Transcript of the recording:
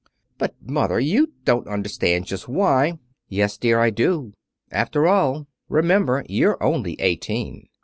"But, mother, you don't understand just why " "Yes, dear 'un, I do. After all, remember you're only eighteen.